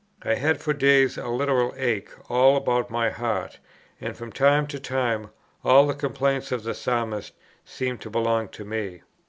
I had for days a literal ache all about my heart; and from time to time all the complaints of the Psalmist seemed to belong to me.